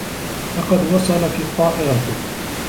لقد وصلت الطّائرة.